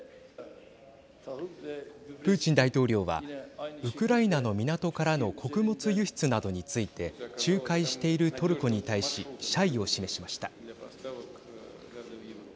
プーチン大統領はウクライナの港からの穀物輸出などについて仲介しているトルコに対し謝意を示しました。